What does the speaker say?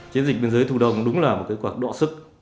chiến dịch biên giới thu đông đúng là một cuộc đọa sức